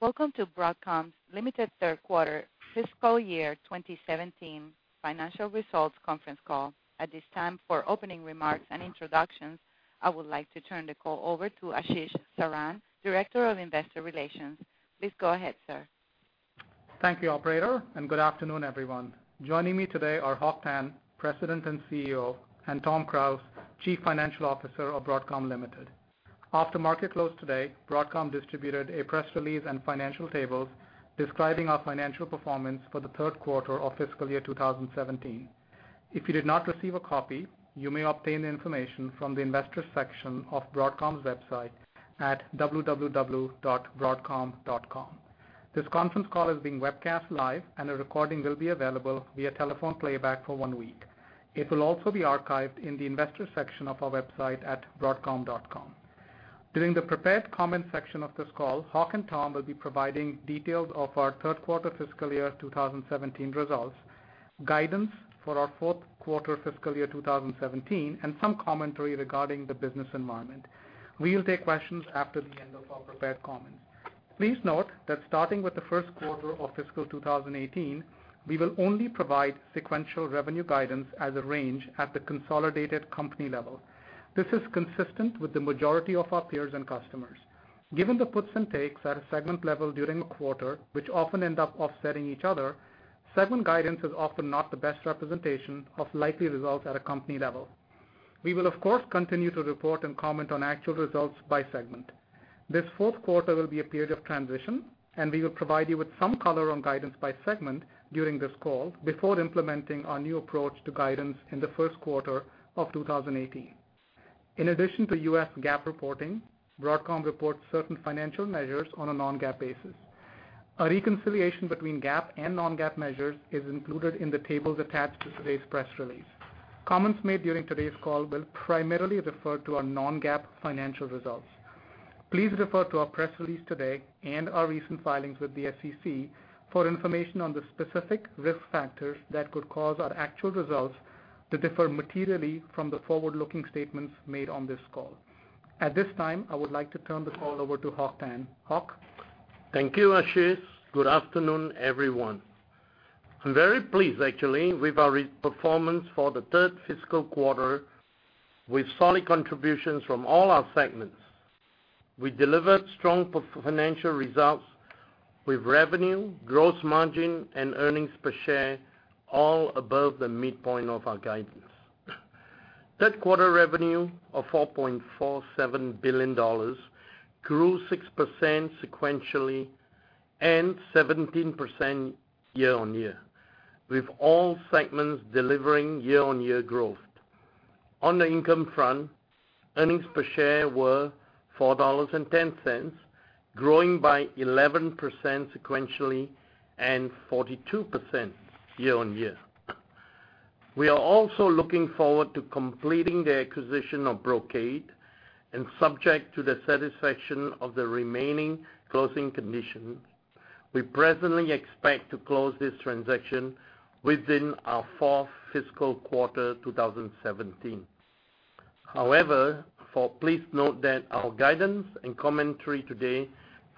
Welcome to Broadcom Limited's third quarter fiscal year 2017 financial results conference call. At this time, for opening remarks and introductions, I would like to turn the call over to Ashish Saran, Director of Investor Relations. Please go ahead, sir. Thank you, operator, and good afternoon, everyone. Joining me today are Hock Tan, President and CEO, and Thomas Krause, Chief Financial Officer of Broadcom Limited. After market close today, Broadcom distributed a press release and financial tables describing our financial performance for the third quarter of fiscal year 2017. If you did not receive a copy, you may obtain the information from the investors section of Broadcom's website at www.broadcom.com. This conference call is being webcast live and a recording will be available via telephone playback for one week. It will also be archived in the investors section of our website at broadcom.com. During the prepared comment section of this call, Hock and Tom will be providing details of our third quarter fiscal year 2017 results, guidance for our fourth quarter fiscal year 2017, and some commentary regarding the business environment. We will take questions after the end of our prepared comments. Please note that starting with the first quarter of fiscal 2018, we will only provide sequential revenue guidance as a range at the consolidated company level. This is consistent with the majority of our peers and customers. Given the puts and takes at a segment level during a quarter, which often end up offsetting each other, segment guidance is often not the best representation of likely results at a company level. We will, of course, continue to report and comment on actual results by segment. This fourth quarter will be a period of transition, and we will provide you with some color on guidance by segment during this call before implementing our new approach to guidance in the first quarter of 2018. In addition to U.S. GAAP reporting, Broadcom reports certain financial measures on a non-GAAP basis. A reconciliation between GAAP and non-GAAP measures is included in the tables attached to today's press release. Comments made during today's call will primarily refer to our non-GAAP financial results. Please refer to our press release today and our recent filings with the SEC for information on the specific risk factors that could cause our actual results to differ materially from the forward-looking statements made on this call. At this time, I would like to turn the call over to Hock Tan. Hock? Thank you, Ashish. I'm very pleased actually with our performance for the third fiscal quarter with solid contributions from all our segments. We delivered strong financial results with revenue, gross margin, and earnings per share all above the midpoint of our guidance. Third quarter revenue of $4.47 billion grew 6% sequentially and 17% year-on-year, with all segments delivering year-on-year growth. On the income front, earnings per share were $4.10, growing by 11% sequentially and 42% year-on-year. We are also looking forward to completing the acquisition of Brocade and subject to the satisfaction of the remaining closing conditions, we presently expect to close this transaction within our fourth fiscal quarter 2017. However, please note that our guidance and commentary today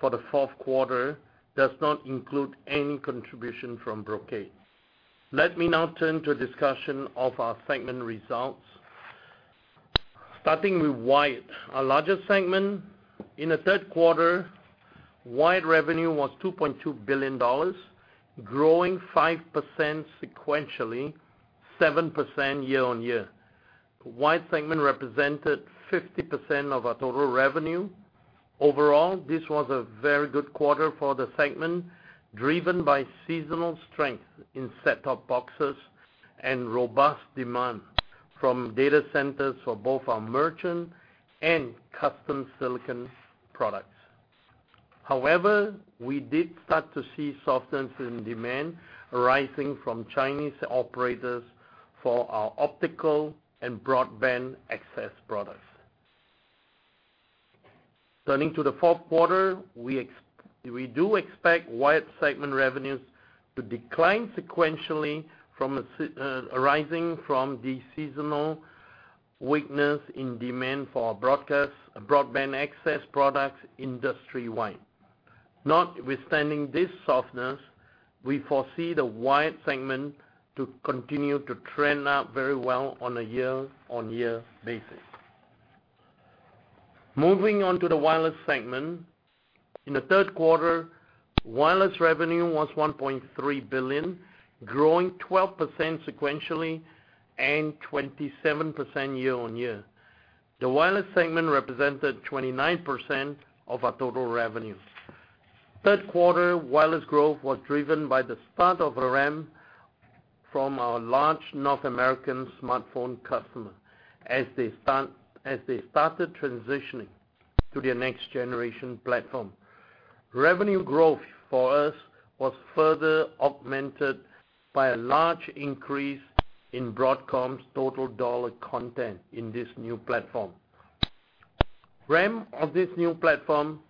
for the fourth quarter does not include any contribution from Brocade. Let me now turn to a discussion of our segment results. Starting with Wired, our largest segment. In the third quarter, Wired revenue was $2.2 billion, growing 5% sequentially, 7% year-on-year. The Wired segment represented 50% of our total revenue. Overall, this was a very good quarter for the segment, driven by seasonal strength in set-top boxes and robust demand from data centers for both our merchant and custom silicon products. However, we did start to see softness in demand arising from Chinese operators for our optical and broadband access products. Turning to the fourth quarter, we do expect Wired segment revenues to decline sequentially arising from the seasonal weakness in demand for our broadband access products industry wide. Notwithstanding this softness, we foresee the Wired segment to continue to trend up very well on a year-on-year basis. Moving on to the Wireless segment. In the third quarter, Wireless revenue was $1.3 billion, growing 12% sequentially and 27% year-on-year. The Wireless segment represented 29% of our total revenue. Third quarter Wireless growth was driven by the start of a ramp from our large North American smartphone customer as they started transitioning to their next generation platform. Revenue growth for us was further augmented by a large increase in Broadcom's total dollar content in this new platform. Ramp of this new platform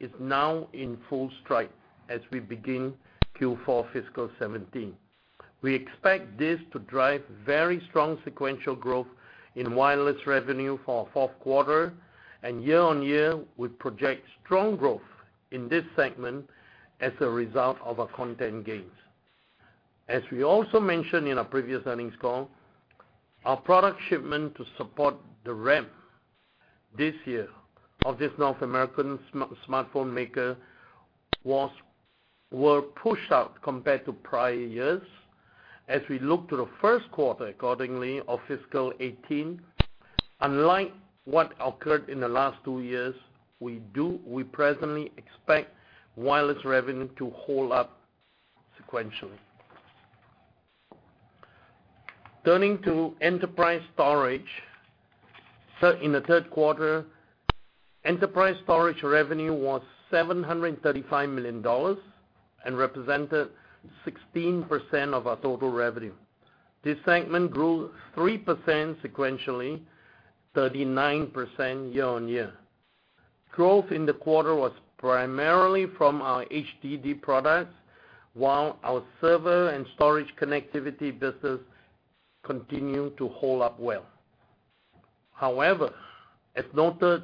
is now in full stride as we begin Q4 fiscal 2017. We expect this to drive very strong sequential growth in Wireless revenue for our fourth quarter. Year-on-year, we project strong growth in this segment as a result of our content gains. As we also mentioned in our previous earnings call, our product shipment to support the ramp this year of this North American smartphone maker were pushed out compared to prior years. As we look to the first quarter accordingly of fiscal 2018, unlike what occurred in the last two years, we presently expect Wireless revenue to hold up sequentially. Turning to Enterprise Storage. In the third quarter, Enterprise Storage revenue was $735 million and represented 16% of our total revenue. This segment grew 3% sequentially, 39% year-on-year. Growth in the quarter was primarily from our HDD products, while our server and storage connectivity business continued to hold up well. However, as noted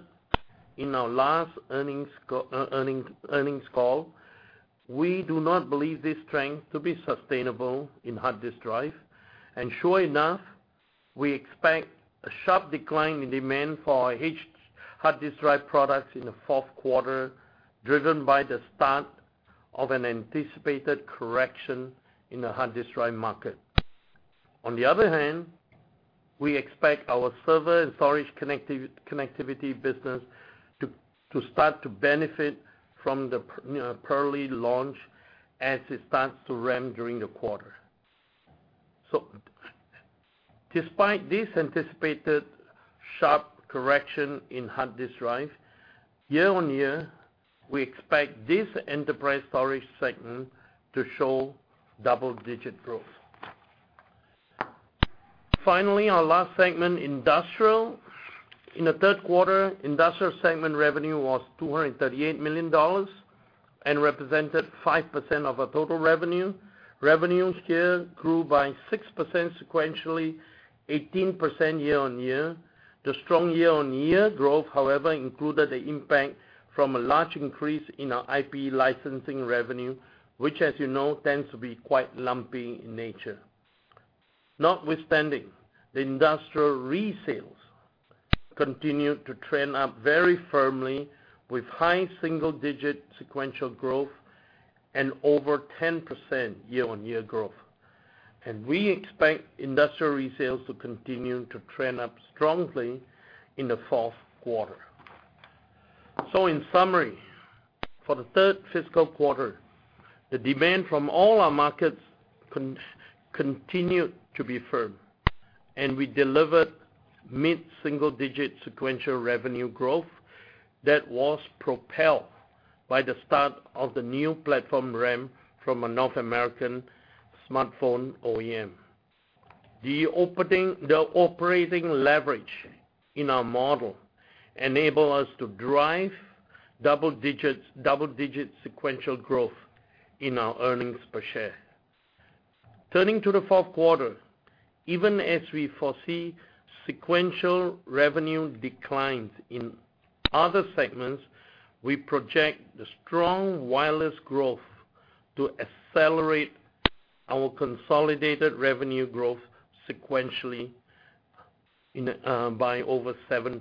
in our last earnings call, we do not believe this trend to be sustainable in hard disk drive. Sure enough, we expect a sharp decline in demand for hard disk drive products in the fourth quarter, driven by the start of an anticipated correction in the hard disk drive market. On the other hand, we expect our server and storage connectivity business to start to benefit from the Purley launch as it starts to ramp during the quarter. Despite this anticipated sharp correction in hard disk drive, year-on-year, we expect this enterprise storage segment to show double-digit growth. Finally, our last segment, Industrial. In the third quarter, Industrial segment revenue was $238 million and represented 5% of our total revenue. Revenues here grew by 6% sequentially, 18% year-on-year. The strong year-on-year growth, however, included the impact from a large increase in our IP licensing revenue, which as you know, tends to be quite lumpy in nature. Notwithstanding, the Industrial resales continued to trend up very firmly with high single-digit sequential growth and over 10% year-on-year growth. We expect Industrial resales to continue to trend up strongly in the fourth quarter. In summary, for the third fiscal quarter, the demand from all our markets continued to be firm, and we delivered mid-single-digit sequential revenue growth that was propelled by the start of the new platform ramp from a North American smartphone OEM. The operating leverage in our model enable us to drive double-digit sequential growth in our earnings per share. Turning to the fourth quarter, even as we foresee sequential revenue declines in other segments, we project the strong wireless growth to accelerate our consolidated revenue growth sequentially by over 7%.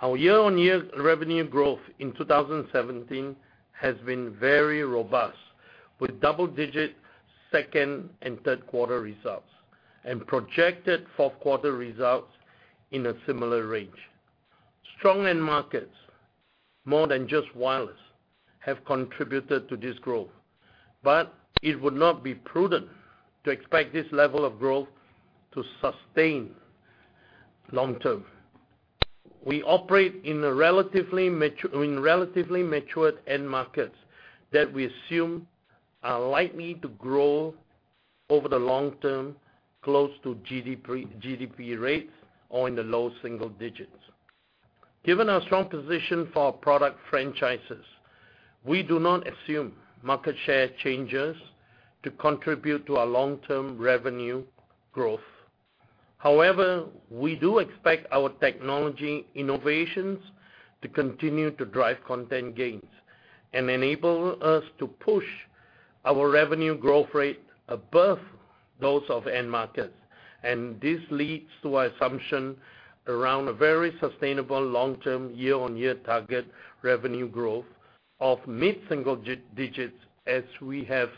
Our year-on-year revenue growth in 2017 has been very robust, with double-digit second and third quarter results, and projected fourth quarter results in a similar range. Strong end markets, more than just wireless, have contributed to this growth. It would not be prudent to expect this level of growth to sustain long-term. We operate in relatively matured end markets that we assume are likely to grow over the long-term, close to GDP rates or in the low single-digits. Given our strong position for our product franchises, we do not assume market share changes to contribute to our long-term revenue growth. However, we do expect our technology innovations to continue to drive content gains and enable us to push our revenue growth rate above those of end markets. This leads to our assumption around a very sustainable long-term year-on-year target revenue growth of mid-single-digits as we have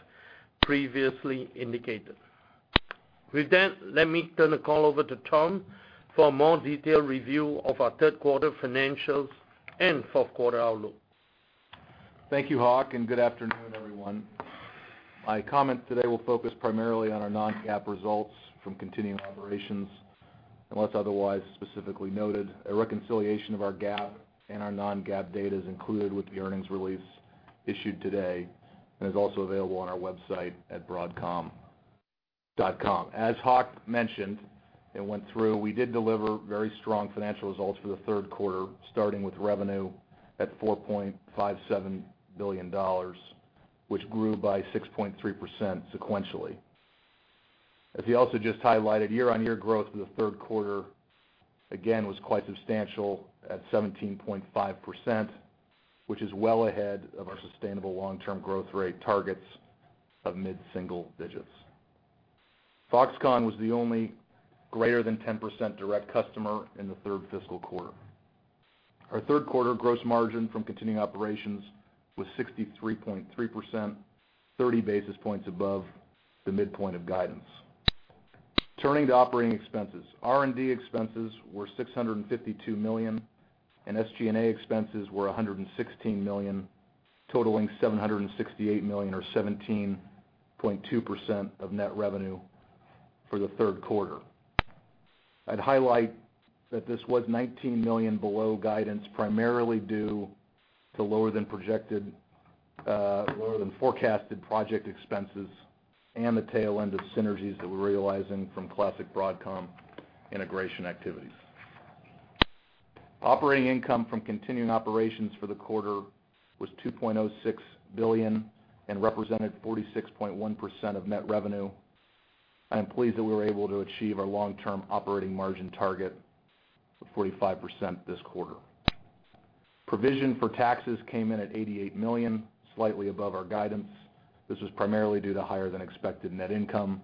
previously indicated. With that, let me turn the call over to Tom for a more detailed review of our third quarter financials and fourth quarter outlook. Thank you, Hock, and good afternoon, everyone. My comment today will focus primarily on our non-GAAP results from continuing operations, unless otherwise specifically noted. A reconciliation of our GAAP and our non-GAAP data is included with the earnings release issued today and is also available on our website at broadcom.com. As Hock mentioned and went through, we did deliver very strong financial results for the third quarter, starting with revenue at $4.47 billion, which grew by 6.3% sequentially. As he also just highlighted, year-over-year growth for the third quarter again was quite substantial at 17.5%, which is well ahead of our sustainable long-term growth rate targets of mid-single digits. Foxconn was the only greater than 10% direct customer in the third fiscal quarter. Our third quarter gross margin from continuing operations was 63.3%, 30 basis points above the midpoint of guidance. Turning to operating expenses, R&D expenses were $652 million, and SG&A expenses were $116 million, totaling $768 million, or 17.2% of net revenue for the third quarter. I'd highlight that this was $19 million below guidance, primarily due to lower than forecasted project expenses and the tail end of synergies that we're realizing from classic Broadcom integration activities. Operating income from continuing operations for the quarter was $2.06 billion and represented 46.1% of net revenue. I am pleased that we were able to achieve our long-term operating margin target of 45% this quarter. Provision for taxes came in at $88 million, slightly above our guidance. This was primarily due to higher than expected net income.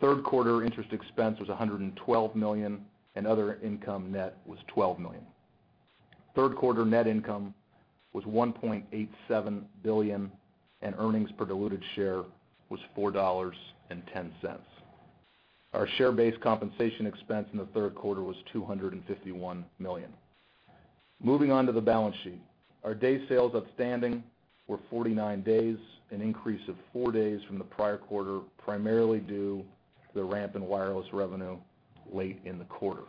Third quarter interest expense was $112 million, and other income net was $12 million. Third quarter net income was $1.87 billion, and earnings per diluted share was $4.10. Our share-based compensation expense in the third quarter was $251 million. Moving on to the balance sheet. Our day sales outstanding were 49 days, an increase of four days from the prior quarter, primarily due to the ramp in wireless revenue late in the quarter.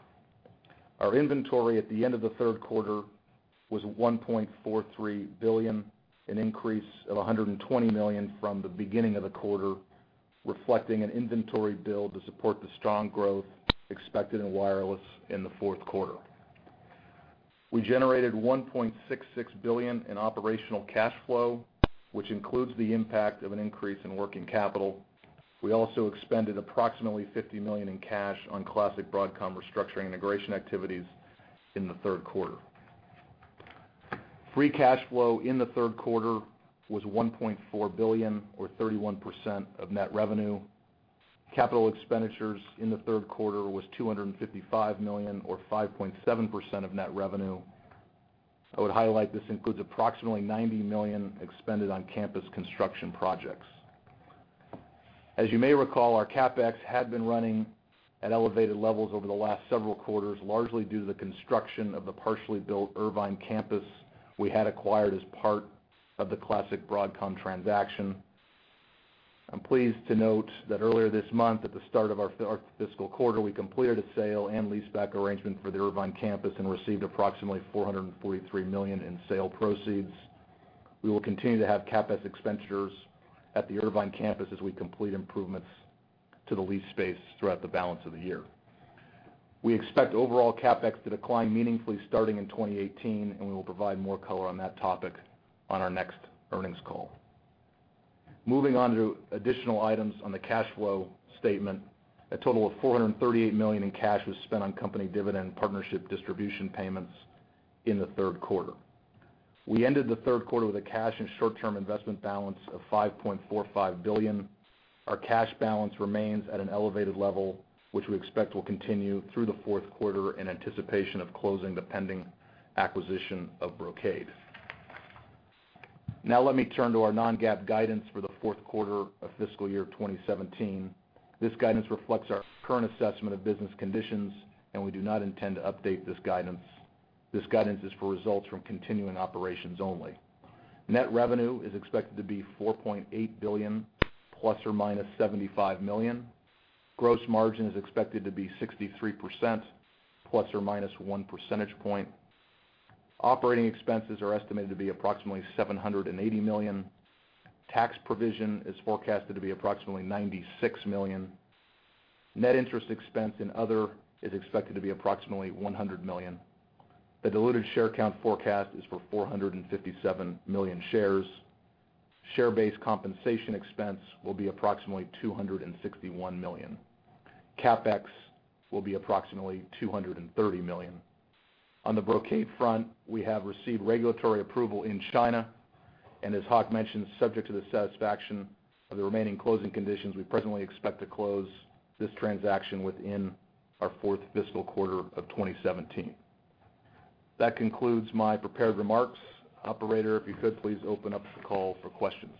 Our inventory at the end of the third quarter was $1.43 billion, an increase of $120 million from the beginning of the quarter, reflecting an inventory build to support the strong growth expected in wireless in the fourth quarter. We generated $1.66 billion in operational cash flow, which includes the impact of an increase in working capital. We also expended approximately $50 million in cash on classic Broadcom restructuring integration activities in the third quarter. Free cash flow in the third quarter was $1.4 billion, or 31% of net revenue. Capital expenditures in the third quarter was $255 million, or 5.7% of net revenue. I would highlight this includes approximately $90 million expended on campus construction projects. As you may recall, our CapEx had been running at elevated levels over the last several quarters, largely due to the construction of the partially built Irvine campus we had acquired as part of the classic Broadcom transaction. I'm pleased to note that earlier this month, at the start of our fiscal quarter, we completed a sale and leaseback arrangement for the Irvine campus and received approximately $443 million in sale proceeds. We will continue to have CapEx expenditures at the Irvine campus as we complete improvements to the leased space throughout the balance of the year. We expect overall CapEx to decline meaningfully starting in 2018, and we will provide more color on that topic on our next earnings call. Moving on to additional items on the cash flow statement. A total of $438 million in cash was spent on company dividend partnership distribution payments in the third quarter. We ended the third quarter with a cash and short-term investment balance of $5.45 billion. Our cash balance remains at an elevated level, which we expect will continue through the fourth quarter in anticipation of closing the pending acquisition of Brocade. Now let me turn to our non-GAAP guidance for the fourth quarter of FY 2017. This guidance reflects our current assessment of business conditions, and we do not intend to update this guidance. This guidance is for results from continuing operations only. Net revenue is expected to be $4.8 billion ±$75 million. Gross margin is expected to be 63%, plus or minus one percentage point. Operating expenses are estimated to be approximately $780 million. Tax provision is forecasted to be approximately $96 million. Net interest expense and other is expected to be approximately $100 million. The diluted share count forecast is for 457 million shares. Share-based compensation expense will be approximately $261 million. CapEx will be approximately $230 million. On the Brocade front, we have received regulatory approval in China, and as Hock mentioned, subject to the satisfaction of the remaining closing conditions, we presently expect to close this transaction within our fourth fiscal quarter of 2017. That concludes my prepared remarks. Operator, if you could, please open up the call for questions.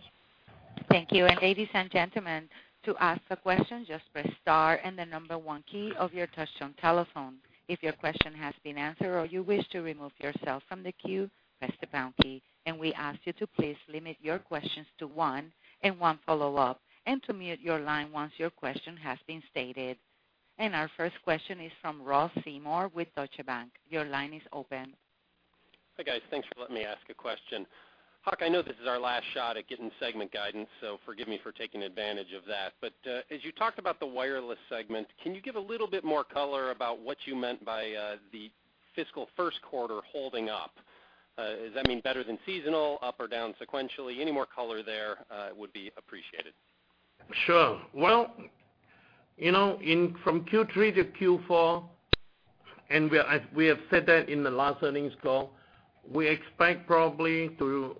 Thank you. Ladies and gentlemen, to ask a question, just press star and the number 1 key of your touchtone telephone. If your question has been answered or you wish to remove yourself from the queue, press the pound key. We ask you to please limit your questions to one and one follow-up, and to mute your line once your question has been stated. Our first question is from Ross Seymore with Deutsche Bank. Your line is open. Hi guys, thanks for letting me ask a question. Hock, I know this is our last shot at getting segment guidance, so forgive me for taking advantage of that. As you talked about the wireless segment, can you give a little bit more color about what you meant by the fiscal first quarter holding up? Does that mean better than seasonal, up or down sequentially? Any more color there would be appreciated. Sure. Well, from Q3 to Q4, we have said that in the last earnings call, we expect probably to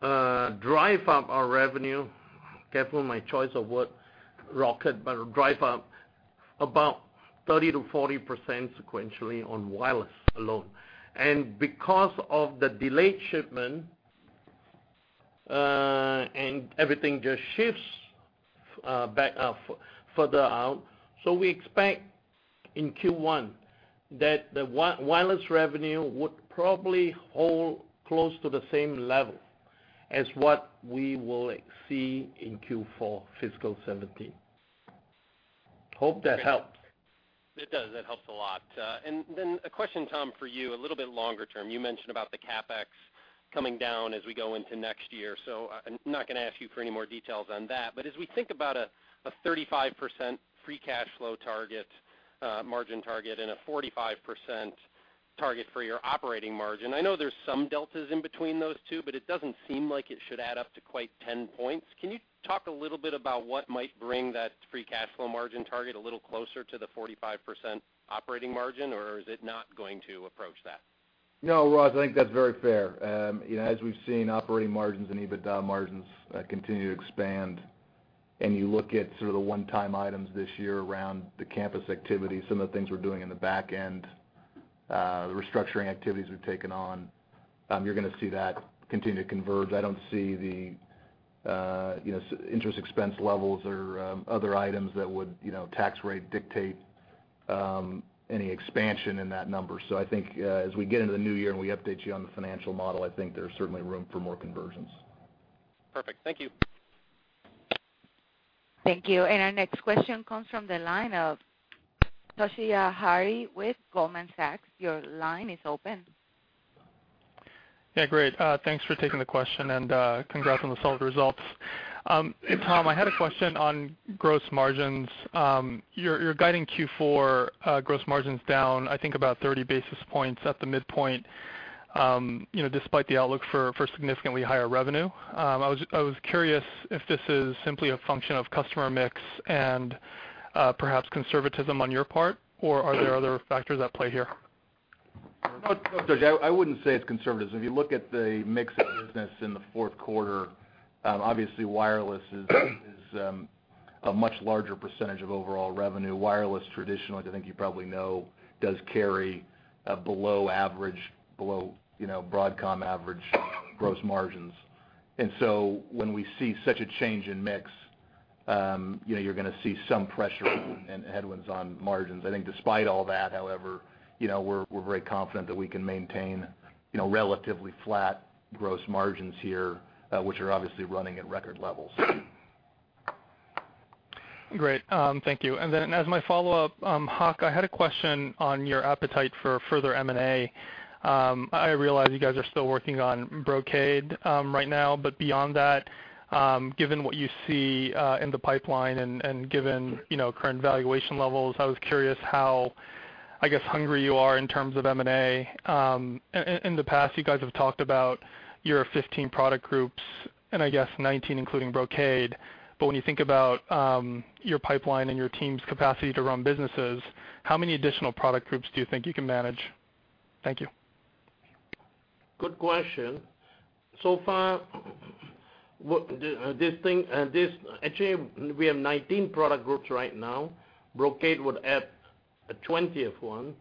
drive up our revenue, careful my choice of word, rocket, but drive up about 30%-40% sequentially on wireless alone. Because of the delayed shipment, everything just shifts further out. We expect in Q1 that the wireless revenue would probably hold close to the same level as what we will see in Q4 fiscal 2017. Hope that helps. It does, that helps a lot. Then a question, Tom, for you, a little bit longer term. You mentioned about the CapEx coming down as we go into next year. I'm not going to ask you for any more details on that. As we think about a 35% free cash flow margin target and a 45% target for your operating margin, I know there's some deltas in between those two, but it doesn't seem like it should add up to quite 10 points. Can you talk a little bit about what might bring that free cash flow margin target a little closer to the 45% operating margin, or is it not going to approach that? No, Ross, I think that's very fair. As we've seen operating margins and EBITDA margins continue to expand and you look at sort of the one-time items this year around the campus activity, some of the things we're doing in the back end, the restructuring activities we've taken on, you're going to see that continue to converge. I don't see the interest expense levels or other items that would, tax rate, dictate any expansion in that number. I think as we get into the new year and we update you on the financial model, I think there's certainly room for more conversions. Perfect. Thank you. Thank you. Our next question comes from the line of Toshiya Hari with Goldman Sachs. Your line is open. Yeah, great. Thanks for taking the question and congrats on the solid results. Tom, I had a question on gross margins. You're guiding Q4 gross margins down, I think, about 30 basis points at the midpoint, despite the outlook for significantly higher revenue. I was curious if this is simply a function of customer mix and perhaps conservatism on your part, or are there other factors at play here? No, Toshi, I wouldn't say it's conservatism. If you look at the mix of business in the fourth quarter, obviously wireless is a much larger percentage of overall revenue. Wireless traditionally, I think you probably know, does carry below Broadcom average gross margins. So when we see such a change in mix, you're going to see some pressure and headwinds on margins. I think despite all that, however, we're very confident that we can maintain relatively flat gross margins here, which are obviously running at record levels. Great. Thank you. As my follow-up, Hock, I had a question on your appetite for further M&A. I realize you guys are still working on Brocade right now, but beyond that, given what you see in the pipeline and given current valuation levels, I was curious how, I guess, hungry you are in terms of M&A. In the past, you guys have talked about your 15 product groups, and I guess 19 including Brocade. When you think about your pipeline and your team's capacity to run businesses, how many additional product groups do you think you can manage? Thank you. Good question. So far, actually, we have 19 product groups right now. Brocade would add a 20th one.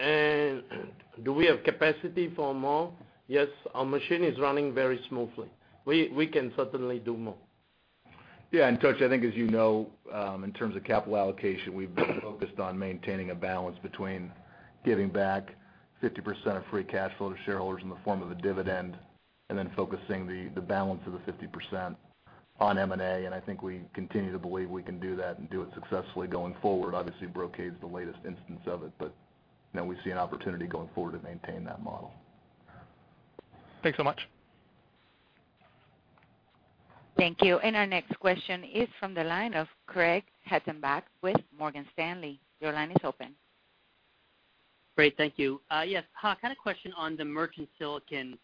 Do we have capacity for more? Yes, our machine is running very smoothly. We can certainly do more. Yeah, Toshi, I think as you know, in terms of capital allocation, we've been focused on maintaining a balance between giving back 50% of free cash flow to shareholders in the form of a dividend, then focusing the balance of the 50% on M&A. I think we continue to believe we can do that and do it successfully going forward. Obviously, Brocade's the latest instance of it, we see an opportunity going forward to maintain that model. Thanks so much. Thank you. Our next question is from the line of Craig Hettenbach with Morgan Stanley. Your line is open. Great, thank you. Yes, Hock, kind of question on the merchant silicon,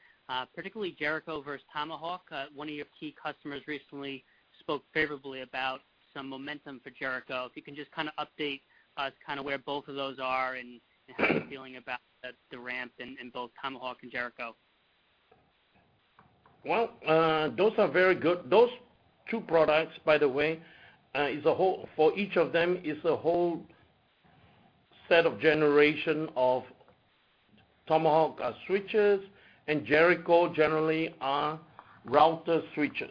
particularly Jericho versus Tomahawk. One of your key customers recently spoke favorably about some momentum for Jericho. If you can just update us where both of those are and how you're feeling about the ramp in both Tomahawk and Jericho. Well, those two products, by the way, for each of them is a whole set of generation of Tomahawk switches and Jericho generally are router switches.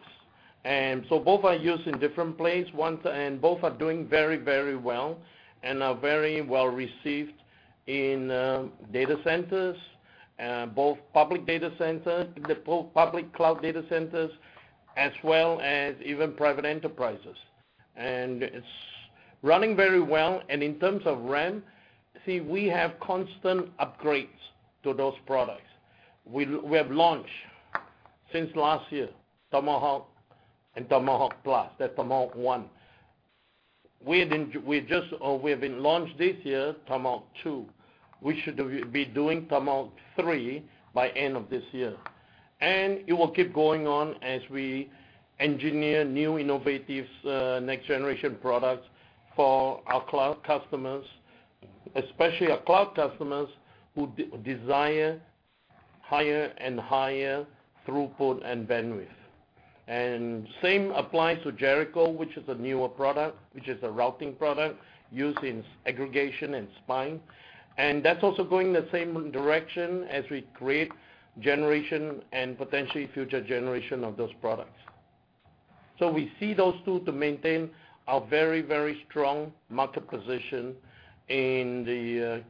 Both are used in different place and both are doing very well and are very well received in data centers, both public cloud data centers, as well as even private enterprises. It's running very well. In terms of ramp, see, we have constant upgrades to those products. We have launched since last year, Tomahawk and Tomahawk Plus. That's Tomahawk 1. We have been launched this year, Tomahawk 2. We should be doing Tomahawk 3 by end of this year. It will keep going on as we engineer new innovative, next generation products for our cloud customers, especially our cloud customers who desire higher and higher throughput and bandwidth. Same applies to Jericho, which is a newer product, which is a routing product used in aggregation and spine. That's also going the same direction as we create generation and potentially future generation of those products. We see those two to maintain a very strong market position in the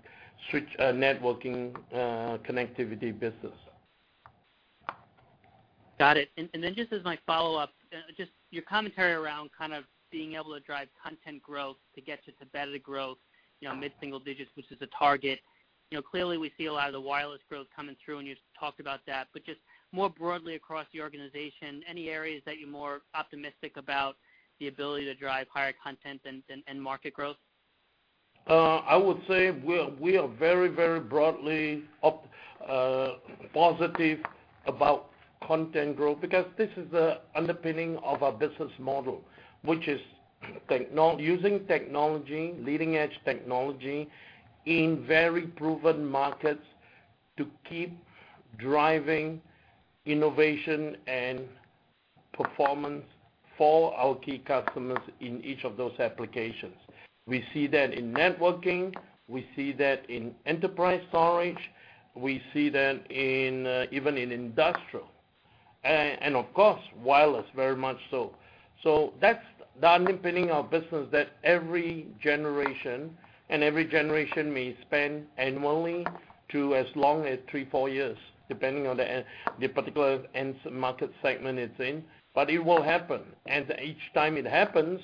switch networking connectivity business. Got it. Just as my follow-up, just your commentary around kind of being able to drive content growth to get you to better growth, mid-single digits, which is a target. Clearly we see a lot of the wireless growth coming through, and you talked about that, just more broadly across the organization, any areas that you're more optimistic about the ability to drive higher content and market growth? I would say we are very broadly positive about content growth because this is the underpinning of our business model, which is using technology, leading-edge technology, in very proven markets to keep driving innovation and performance for our key customers in each of those applications. We see that in networking. We see that in enterprise storage. We see that even in Industrial. Of course, wireless, very much so. That's the underpinning of business that every generation, and every generation may span annually to as long as three, four years, depending on the particular end market segment it's in. It will happen, and each time it happens,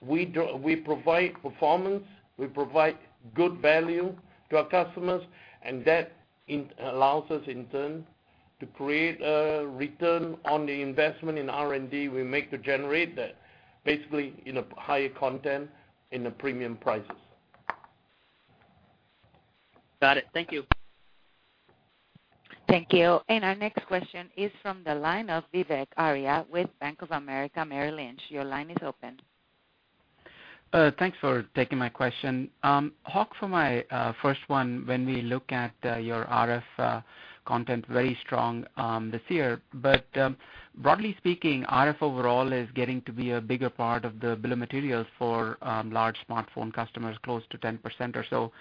we provide performance, we provide good value to our customers, and that allows us, in turn, to create a return on the investment in R&D we make to generate that, basically in a higher content in the premium prices. Got it. Thank you. Thank you. Our next question is from the line of Vivek Arya with Bank of America Merrill Lynch. Your line is open. Thanks for taking my question. Hock, for my first one, when we look at your RF content, very strong this year. Broadly speaking, RF overall is getting to be a bigger part of the bill of materials for large smartphone customers, close to 10% or so.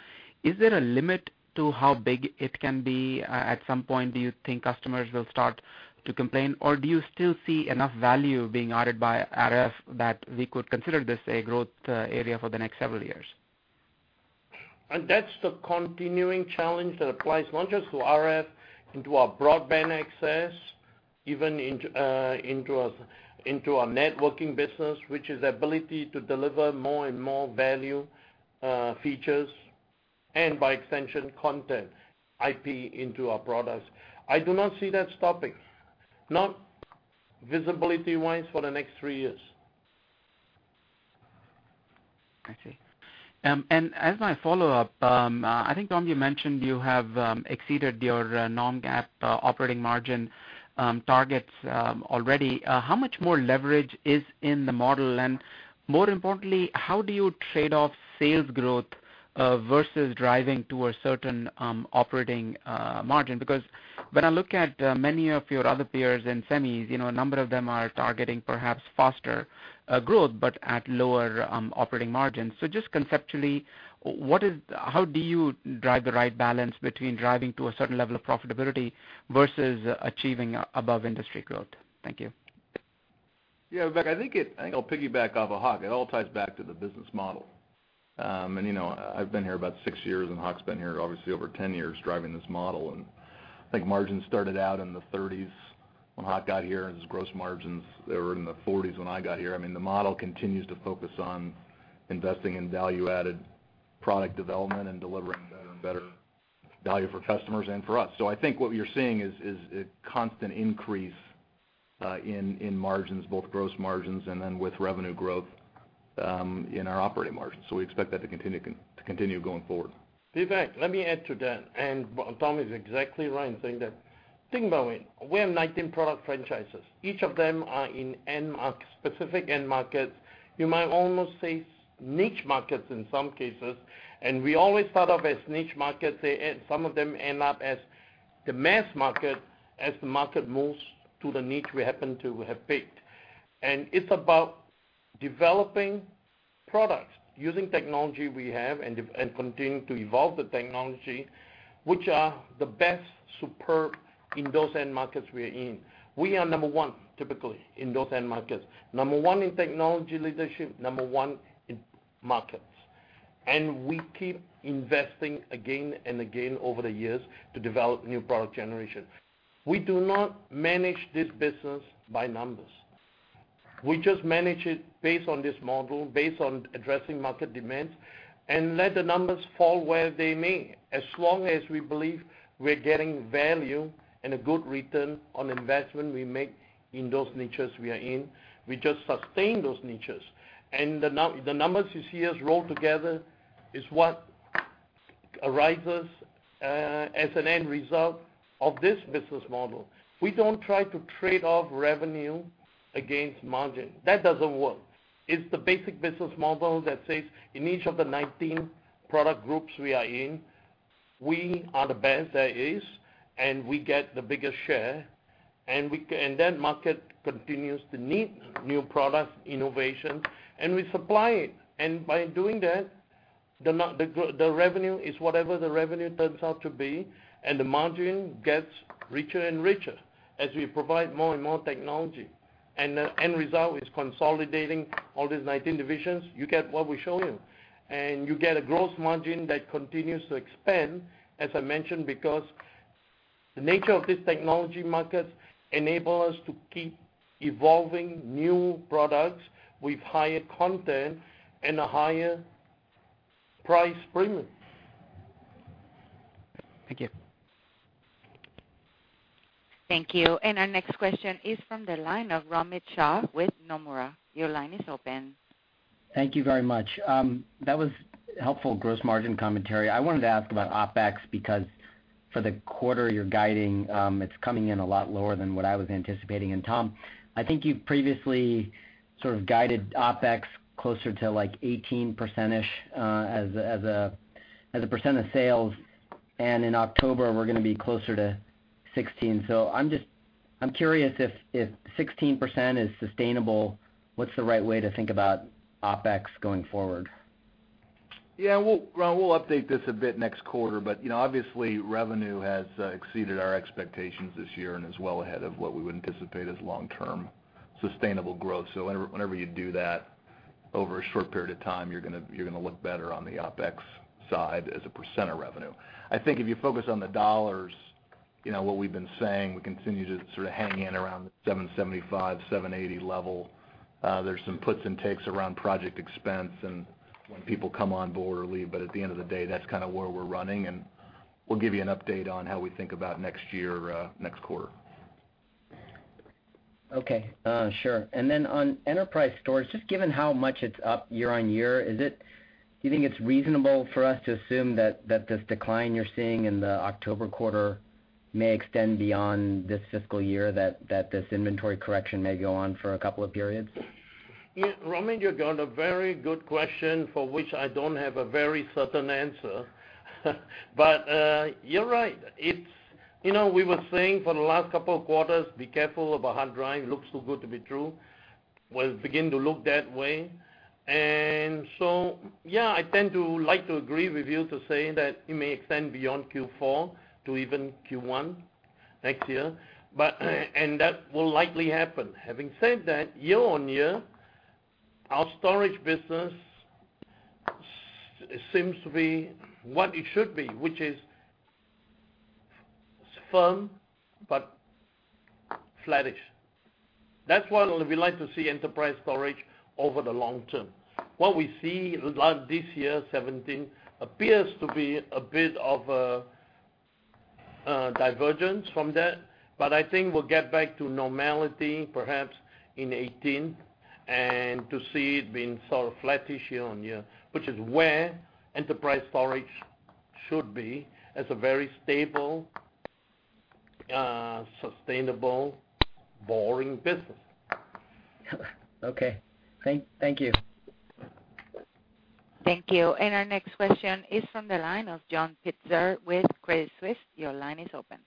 Is there a limit to how big it can be? At some point, do you think customers will start to complain, or do you still see enough value being added by RF that we could consider this a growth area for the next several years? That's the continuing challenge that applies not just to RF, into our broadband access, even into our networking business, which is ability to deliver more and more value, features, and by extension, content, IP into our products. I do not see that stopping, not visibility-wise for the next three years. I see. As my follow-up, I think, Tom, you mentioned you have exceeded your non-GAAP operating margin targets already. How much more leverage is in the model? More importantly, how do you trade off sales growth, versus driving to a certain operating margin? Because when I look at many of your other peers in semis, a number of them are targeting perhaps faster growth, but at lower operating margins. Just conceptually, how do you drive the right balance between driving to a certain level of profitability versus achieving above-industry growth? Thank you. Vivek, I think I'll piggyback off of Hock. It all ties back to the business model. I've been here about six years, Hock's been here obviously over 10 years driving this model. I think margins started out in the 30s when Hock got here, his gross margins, they were in the 40s when I got here. The model continues to focus on investing in value-added product development and delivering better and better value for customers and for us. I think what you're seeing is a constant increase in margins, both gross margins, and then with revenue growth, in our operating margins. We expect that to continue going forward. Vivek, let me add to that, Tom is exactly right in saying that. Think about it. We have 19 product franchises. Each of them are in specific end markets. You might almost say niche markets in some cases, and we always start off as niche markets. Some of them end up as the mass market as the market moves to the niche we happen to have picked. It's about developing products using technology we have and continue to evolve the technology, which are the best, superb in those end markets we are in. We are number one, typically, in those end markets. Number one in technology leadership, number one in market. We keep investing again and again over the years to develop new product generation. We do not manage this business by numbers. We just manage it based on this model, based on addressing market demands, let the numbers fall where they may. As long as we believe we're getting value and a good return on investment we make in those niches we are in, we just sustain those niches. The numbers you see us roll together is what arises as an end result of this business model. We don't try to trade off revenue against margin. That doesn't work. It's the basic business model that says in each of the 19 product groups we are in, we are the best there is, we get the biggest share, that market continues to need new product innovation, and we supply it. By doing that, the revenue is whatever the revenue turns out to be, and the margin gets richer and richer as we provide more and more technology. The end result is consolidating all these 19 divisions. You get what we show you. You get a gross margin that continues to expand, as I mentioned, because the nature of this technology market enable us to keep evolving new products with higher content and a higher price premium. Thank you. Thank you. Our next question is from the line of Romit Shah with Nomura. Your line is open. Thank you very much. That was helpful gross margin commentary. I wanted to ask about OpEx, because for the quarter you're guiding, it's coming in a lot lower than what I was anticipating. Tom, I think you've previously sort of guided OpEx closer to 18% as a percent of sales. In October, we're going to be closer to 16%. I'm curious if 16% is sustainable, what's the right way to think about OpEx going forward? Yeah. Well, Romit, we'll update this a bit next quarter. Obviously, revenue has exceeded our expectations this year and is well ahead of what we would anticipate as long-term sustainable growth. Whenever you do that over a short period of time, you're going to look better on the OpEx side as a percent of revenue. I think if you focus on the dollars, what we've been saying, we continue to sort of hang in around the $775 million-$780 million level. There's some puts and takes around project expense and when people come on board or leave. At the end of the day, that's kind of where we're running, and we'll give you an update on how we think about next year, next quarter. Okay. Sure. Then on enterprise storage, just given how much it's up year-over-year, do you think it's reasonable for us to assume that this decline you're seeing in the October quarter may extend beyond this fiscal year, that this inventory correction may go on for a couple of periods? Yeah. Romit, you got a very good question for which I don't have a very certain answer. You're right. We were saying for the last couple of quarters, be careful about hard drive, looks too good to be true. Well, it's beginning to look that way. Yeah, I tend to like to agree with you to say that it may extend beyond Q4 to even Q1 next year. That will likely happen. Having said that, year-over-year, our storage business seems to be what it should be, which is firm but flattish. That's what we like to see enterprise storage over the long term. What we see this year, 2017, appears to be a bit of a divergence from that, I think we'll get back to normality perhaps in 2018, and to see it being sort of flattish year-over-year, which is where enterprise storage should be, as a very stable, sustainable, boring business. Okay. Thank you. Thank you. Our next question is from the line of John Pitzer with Credit Suisse. Your line is open.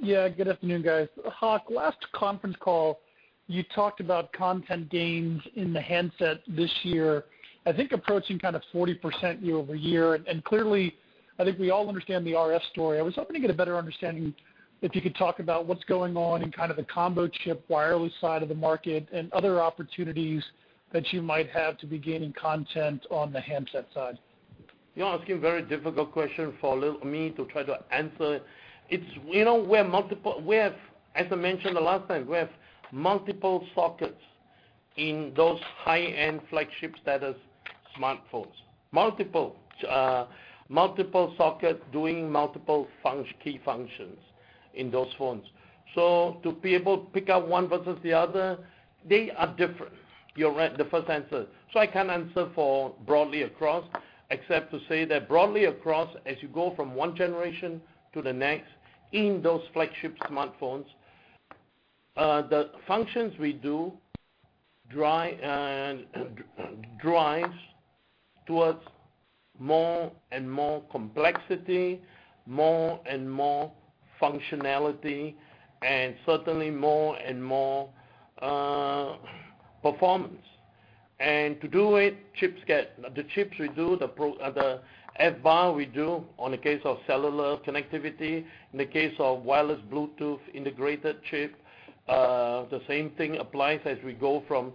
Yeah, good afternoon, guys. Hock, last conference call, you talked about content gains in the handset this year, I think approaching kind of 40% year-over-year. Clearly, I think we all understand the RF story. I was hoping to get a better understanding if you could talk about what's going on in kind of the combo chip wireless side of the market and other opportunities that you might have to be gaining content on the handset side. You're asking a very difficult question for me to try to answer. As I mentioned the last time, we have multiple sockets in those high-end flagship status smartphones. Multiple sockets doing multiple key functions in those phones. To be able to pick out one versus the other, they are different. You're right, different answer. I can't answer for broadly across, except to say that broadly across, as you go from one generation to the next in those flagship smartphones, the functions we do drives towards more and more complexity, more and more functionality, and certainly more and more performance. To do it, the chips we do, the FBAR we do on the case of cellular connectivity. In the case of wireless Bluetooth integrated chip, the same thing applies as we go from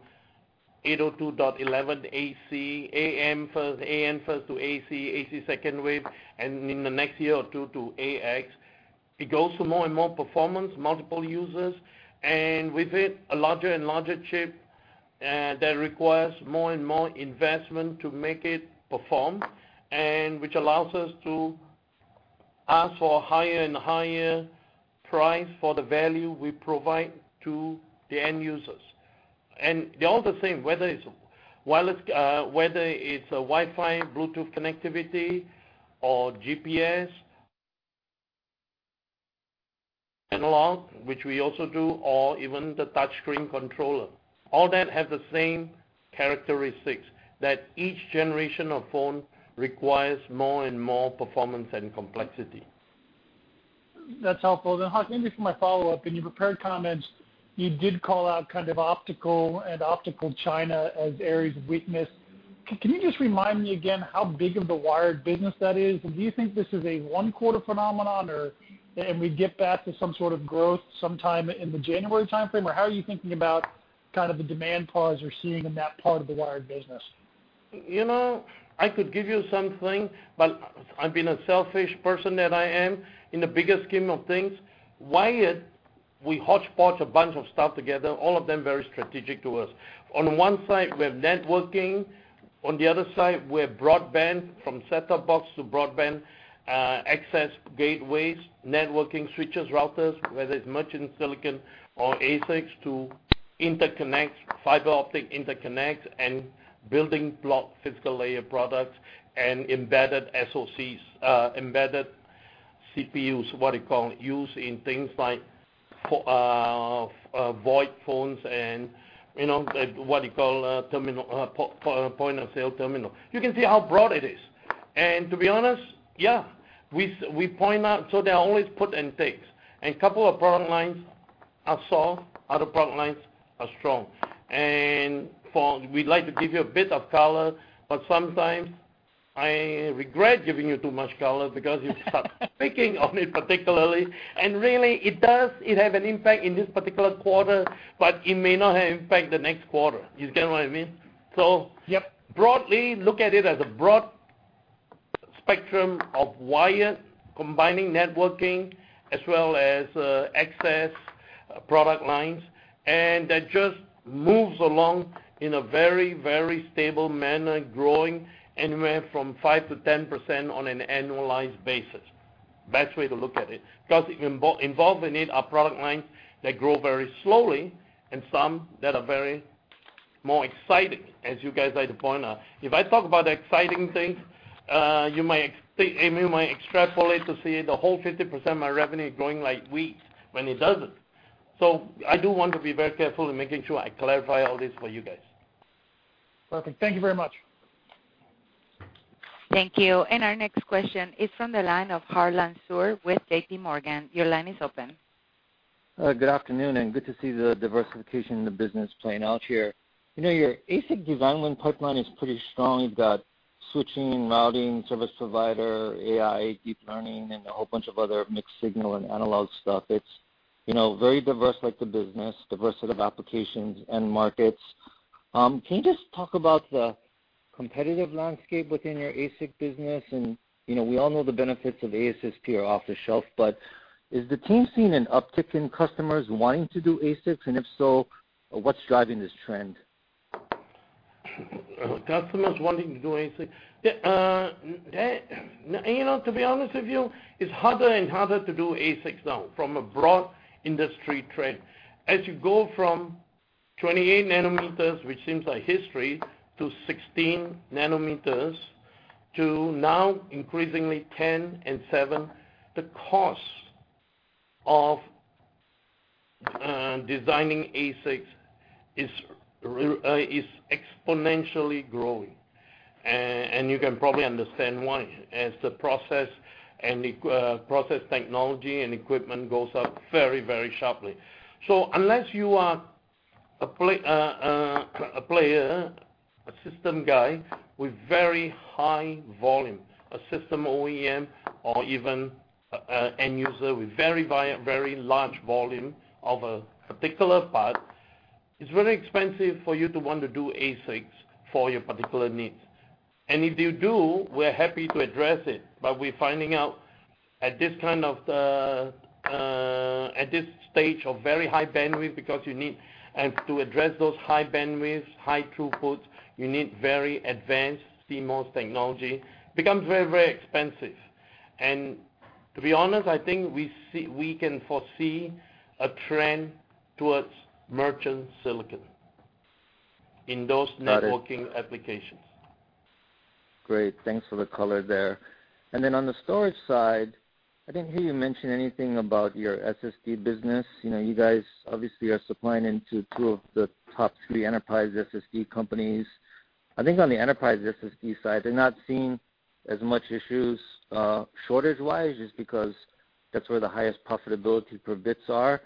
802.11ac, AM first, AN first to AC second wave, and in the next year or 2 to AX. It goes to more and more performance, multiple users, and with it, a larger and larger chip that requires more and more investment to make it perform, and which allows us to ask for a higher and higher price for the value we provide to the end users. They're all the same, whether it's a Wi-Fi, Bluetooth connectivity, or GPS. Analog, which we also do, or even the touchscreen controller. All that have the same characteristics that each generation of phone requires more and more performance and complexity. That's helpful. Hock, maybe for my follow-up, in your prepared comments, you did call out optical and optical China as areas of weakness. Can you just remind me again how big of the wired business that is? Do you think this is a 1-quarter phenomenon or, and we get back to some sort of growth sometime in the January timeframe, or how are you thinking about the demand pause you're seeing in that part of the wired business? I could give you something, I've been a selfish person that I am. In the bigger scheme of things, wired, we hodgepodge a bunch of stuff together, all of them very strategic to us. On 1 side, we have networking. On the other side, we have broadband, from set-top box to broadband access gateways, networking switches, routers, whether it's merchant silicon or ASICs to interconnect, fiber optic interconnect and building block physical layer products and embedded SoCs, embedded CPUs, what do you call it, used in things like VoIP phones and what do you call a point-of-sale terminal. You can see how broad it is. To be honest, yeah, we point out, so there are always puts and takes. A couple of product lines are soft, other product lines are strong. We'd like to give you a bit of color, sometimes I regret giving you too much color because you start picking on it particularly, and really, it does have an impact in this particular quarter, it may not have impact the next quarter. You get what I mean? Yep. Broadly, look at it as a broad spectrum of wired, combining networking as well as access product lines, and that just moves along in a very, very stable manner, growing anywhere from 5%-10% on an annualized basis. Best way to look at it. Involved in it are product lines that grow very slowly and some that are very more exciting, as you guys like to point out. If I talk about exciting things, you might extrapolate to see the whole 50% my revenue growing like weeds when it doesn't. I do want to be very careful in making sure I clarify all this for you guys. Perfect. Thank you very much. Thank you. Our next question is from the line of Harlan Sur with J.P. Morgan. Your line is open. Good afternoon. Good to see the diversification of the business playing out here. Your ASIC development pipeline is pretty strong. You've got switching, routing, service provider, AI, deep learning, and a whole bunch of other mixed signal and analog stuff. It's very diverse, like the business, diverse set of applications and markets. Can you just talk about the competitive landscape within your ASIC business? We all know the benefits of ASSP are off the shelf, but is the team seeing an uptick in customers wanting to do ASICs? If so, what's driving this trend? Customers wanting to do ASIC. To be honest with you, it's harder and harder to do ASICs now from a broad industry trend. As you go from 28 nanometers, which seems like history, to 16 nanometers, to now increasingly 10 and seven, the cost of designing ASICs is exponentially growing. You can probably understand why, as the process technology and equipment goes up very, very sharply. Unless you are a player, a system guy with very high volume, a system OEM or even end user with very large volume of a particular part, it's really expensive for you to want to do ASICs for your particular needs. If you do, we're happy to address it, but we're finding out at this stage of very high bandwidth, because you need, and to address those high bandwidth, high throughputs, you need very advanced CMOS technology, becomes very, very expensive. To be honest, I think we can foresee a trend towards merchant silicon in those networking applications. Great. Thanks for the color there. Then on the storage side, I didn't hear you mention anything about your SSD business. You guys obviously are supplying into two of the top three enterprise SSD companies. I think on the enterprise SSD side, they're not seeing as much issues shortage-wise, just because that's where the highest profitability per bits are.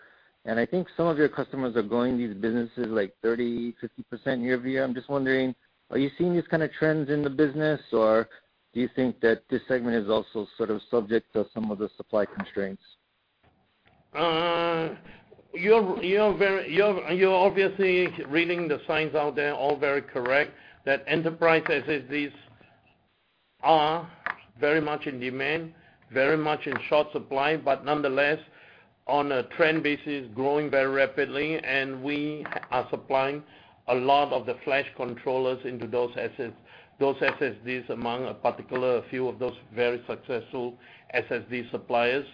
I think some of your customers are growing these businesses like 30%, 50% year-over-year. I'm just wondering, are you seeing these kind of trends in the business, or do you think that this segment is also sort of subject to some of the supply constraints? You're obviously reading the signs out there all very correct, that enterprise SSDs are very much in demand, very much in short supply, but nonetheless, on a trend basis, growing very rapidly, and we are supplying a lot of the flash controllers into those SSDs among a particular few of those very successful SSD suppliers.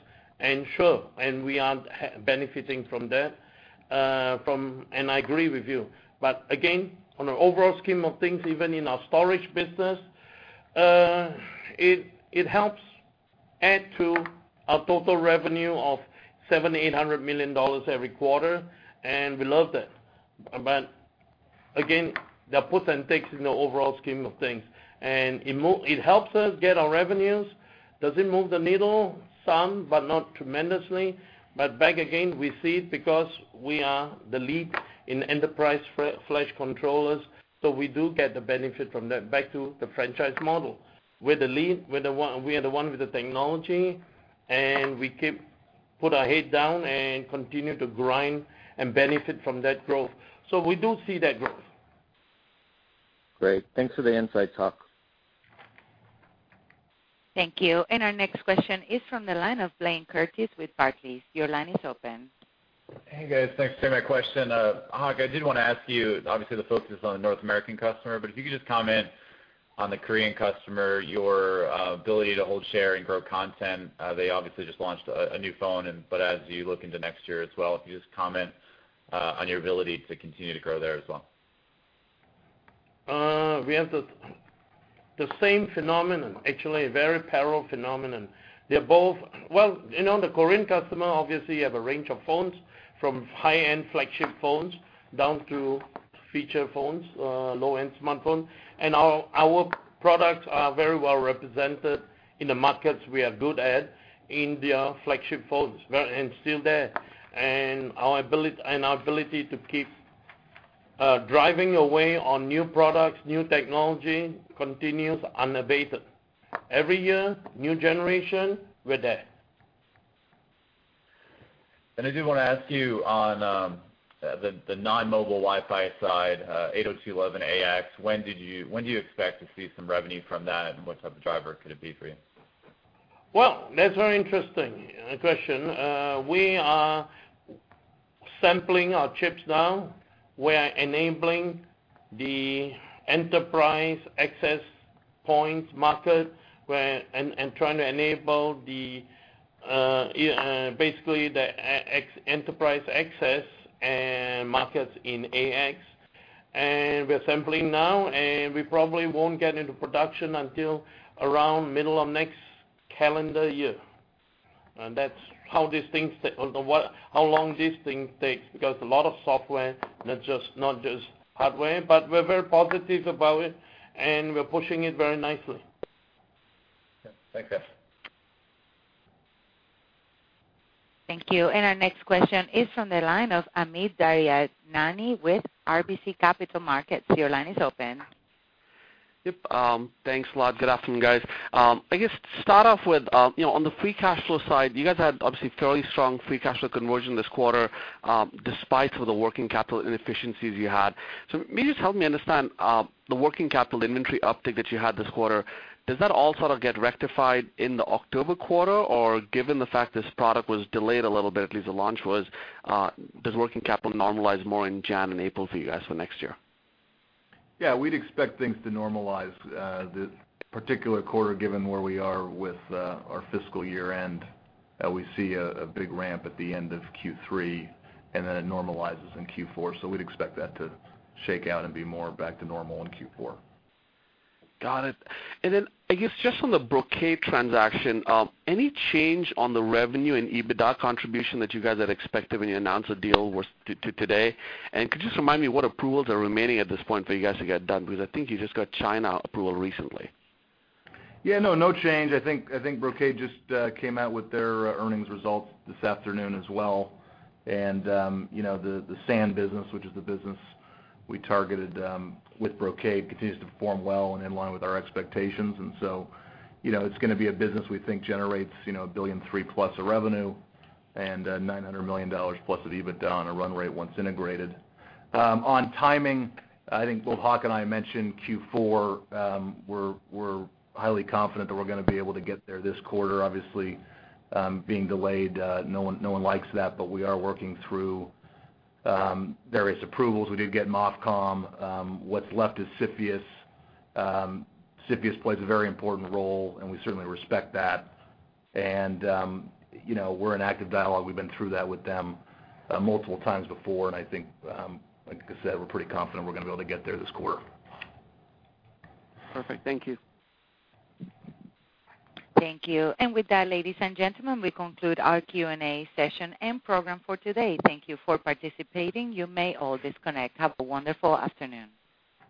Sure, we are benefiting from that, and I agree with you. Again, on the overall scheme of things, even in our storage business, it helps add to our total revenue of $700 million-$800 million every quarter, and we love that. Again, there are puts and takes in the overall scheme of things. It helps us get our revenues. Does it move the needle? Some, but not tremendously. Back again, we see it because we are the lead in enterprise flash controllers, so we do get the benefit from that. Back to the franchise model. We're the lead. We are the one with the technology, we keep put our head down and continue to grind and benefit from that growth. We do see that growth. Great. Thanks for the insight, Hock. Thank you. Our next question is from the line of Blayne Curtis with Barclays. Your line is open. Hey, guys. Thanks for taking my question. Hock, I did want to ask you, obviously the focus is on the North American customer, but if you could just comment on the Korean customer, your ability to hold share and grow content. They obviously just launched a new phone. As you look into next year as well, if you just comment on your ability to continue to grow there as well. We have the same phenomenon, actually, a very parallel phenomenon. The Korean customer obviously have a range of phones, from high-end flagship phones down to feature phones, low-end smartphone. Our products are very well represented in the markets we are good at. In their flagship phones, still there. Our ability to keep driving away on new products, new technology, continues unabated. Every year, new generation, we're there. I did want to ask you on the non-mobile Wi-Fi side, 802.11ax. When do you expect to see some revenue from that, and what type of driver could it be for you? Well, that's very interesting question. We are sampling our chips now. We are enabling the enterprise access points market and trying to enable basically the enterprise access end markets in AX. We're sampling now, and we probably won't get into production until around middle of next calendar year. That's how long these things take, because a lot of software, not just hardware. We're very positive about it, and we're pushing it very nicely. Okay. Thanks, guys. Thank you. Our next question is from the line of Amit Daryanani with RBC Capital Markets. Your line is open. Yep. Thanks a lot. Good afternoon, guys. I guess to start off with, on the free cash flow side, you guys had obviously fairly strong free cash flow conversion this quarter, despite of the working capital inefficiencies you had. Maybe just help me understand the working capital inventory uptick that you had this quarter, does that all sort of get rectified in the October quarter? Given the fact this product was delayed a little bit, at least the launch was, does working capital normalize more in January and April for you guys for next year? Yeah. We'd expect things to normalize this particular quarter, given where we are with our fiscal year-end. We see a big ramp at the end of Q3, then it normalizes in Q4. We'd expect that to shake out and be more back to normal in Q4. Got it. On the Brocade transaction, any change on the revenue and EBITDA contribution that you guys had expected when you announced the deal today? Could you just remind me what approvals are remaining at this point for you guys to get done? I think you just got China approval recently. Yeah. No change. I think Brocade just came out with their earnings results this afternoon as well. The SAN business, which is the business we targeted with Brocade, continues to perform well and in line with our expectations. It's going to be a business we think generates $1.3 billion plus of revenue and $900 million plus of EBITDA on a run rate once integrated. On timing, I think both Hock and I mentioned Q4. We're highly confident that we're going to be able to get there this quarter. Obviously, being delayed, no one likes that, we are working through various approvals. We did get MOFCOM. What's left is CFIUS. CFIUS plays a very important role, we certainly respect that. We're in active dialogue. We've been through that with them multiple times before, I think, like I said, we're pretty confident we're going to be able to get there this quarter. Perfect. Thank you. Thank you. With that, ladies and gentlemen, we conclude our Q&A session and program for today. Thank you for participating. You may all disconnect. Have a wonderful afternoon.